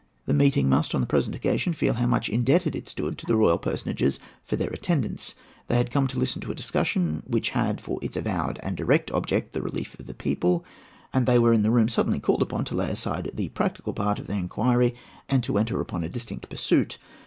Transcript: The meeting must on the present occasion feel how much indebted it stood to the royal personages for their attendance. They had come to listen to a discussion which had for its avowed and direct object the relief of the people, and they were in the room suddenly called upon to lay aside the practical part of their inquiry and to enter upon a distinct pursuit.